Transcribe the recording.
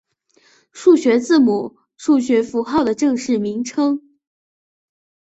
数学字母数字符号的正式名称。